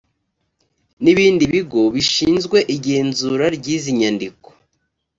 n ibindi bigo bishinzwe igenzura ry izi nyandiko